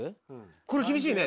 これ厳しいね。